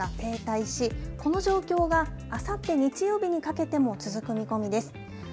あすも日本の南には梅雨前線が停滞しこの状況があさって日曜日にかけても続く見込みです。